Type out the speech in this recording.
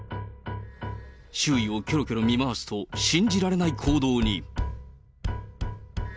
周囲をきょろきょろ見回すと、信じられない行動に。